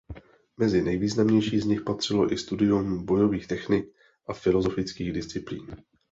Mezi nejvýznamnější z nich patřilo i studium bojových technik a filosofických disciplín.